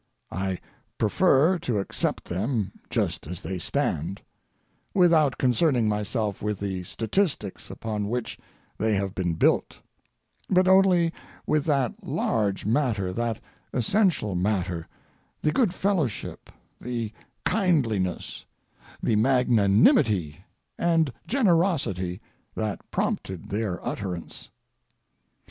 I prefer to accept them just as they stand, without concerning myself with the statistics upon which they have been built, but only with that large matter, that essential matter, the good fellowship, the kindliness, the magnanimity, and generosity that prompted their utterance.